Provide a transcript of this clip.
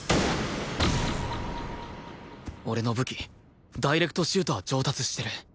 俺の武器ダイレクトシュートは上達してる